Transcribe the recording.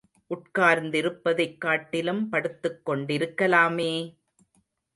உட்கார்ந்திருப்பதைக் காட்டிலும் படுத்துக் கொண்டிருக்கலாமே!